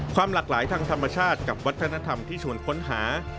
ความหลากหลายทางธรรมชาติกับวัฒนธรรมที่ชวนค้นหา